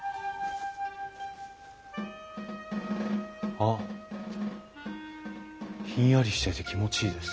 あっひんやりしてて気持ちいいです。